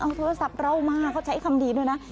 เอาโทรศัพท์เรามาเขาใช้คำดีด้วยนะ